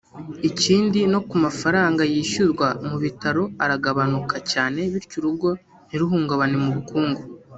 Ikindi no ku mafaranga yishyurwa mu bitaro aragabanuka cyane bityo urugo ntiruhungabane mu bukungu